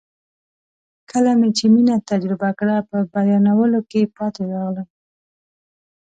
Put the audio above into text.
کله مې چې مینه تجربه کړه په بیانولو کې پاتې راغلم.